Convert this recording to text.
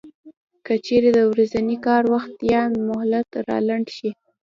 که چېرې د ورځني کار وخت یا مهلت را لنډ شي